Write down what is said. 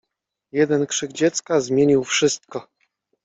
Jeden krzyk dziecka zmienił wszystko.